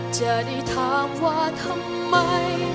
จะได้ถามว่าทำไม